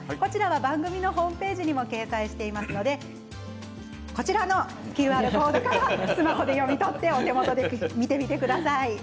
番組のホームページにも掲載していますのでこちらのＱＲコードからスマホで読み取ってお手元で見てみてください。